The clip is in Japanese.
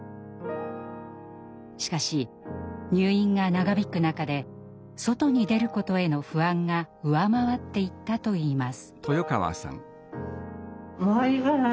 しかし、入院が長引く中で外に出ることへの不安が上回っていったといいます。